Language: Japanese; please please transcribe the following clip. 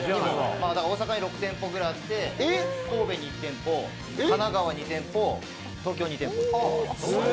大阪に６店舗ぐらいあって神戸に１店舗、神奈川２店舗、東京２店舗です。